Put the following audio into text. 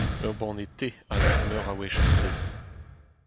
Ur banne te a ev meur a wech an deiz.